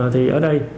thì ở đây